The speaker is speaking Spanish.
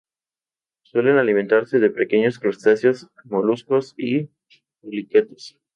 Suelen alimentarse de pequeños crustáceos, moluscos y poliquetos.